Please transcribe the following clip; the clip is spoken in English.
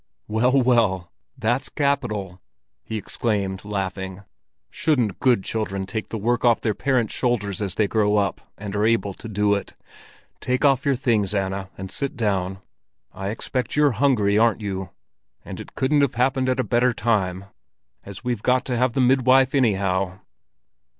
"Well, well, that's capital!" he exclaimed, laughing. "Shouldn't good children take the work off their parents' shoulders as they grow up and are able to do it? Take off your things, Anna, and sit down. I expect you're hungry, aren't you? And it couldn't have happened at a better time, as we've got to have the midwife anyhow!"